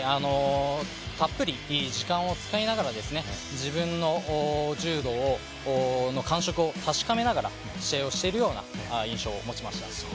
たっぷり時間を使いながら、自分の柔道の感触を確かめながら試合をしているような印象を持ちました。